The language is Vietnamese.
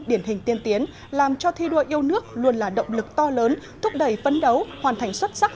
điển hình tiên tiến làm cho thi đua yêu nước luôn là động lực to lớn thúc đẩy phấn đấu hoàn thành xuất sắc